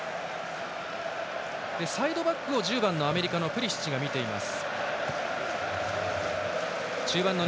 サイドバックを１０番のアメリカ、プリシッチが見ています。